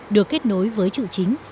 được kết nối với trụ chính